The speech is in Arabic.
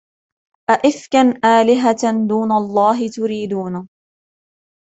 أَئِفْكًا آلِهَةً دُونَ اللَّهِ تُرِيدُونَ